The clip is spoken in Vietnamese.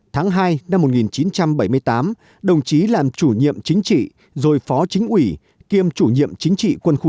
tháng hai năm một nghìn chín trăm bảy mươi tám đồng chí làm chủ nhiệm chính trị rồi phó chính ủy kiêm chủ nhiệm chính trị quân khu chín